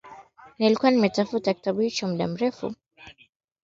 Nilikuwa nimetafuta kitabu hicho kwa muda mrefu.